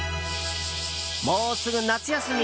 もうすぐ夏休み！